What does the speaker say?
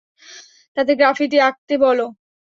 তাদের গ্রাফিতি আঁকতে বলো।